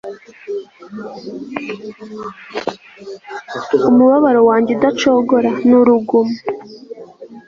umubabaro wanjye udacogora n uruguma